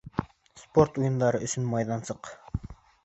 Спорт уйындары өсөн майҙансыҡ